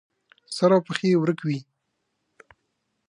سر او پښې یې ورک وي.